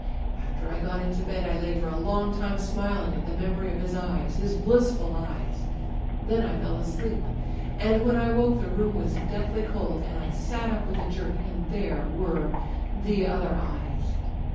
"After I got into bed I lay for a long time smiling at the memory of his eyes â€" ^his^blissful eyes. .. Then I fell asleep, and when I woke the room was deathly cold, and I sat up with a jerk â€" and there were the other eyes